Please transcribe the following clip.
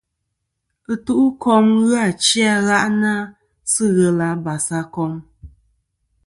Ɨtu'kom ghɨ nô achi a gha'nɨ-a sɨ ghelɨ abas a kom.